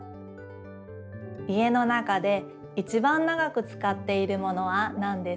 家の中でいちばん長くつかっているものはなんですか？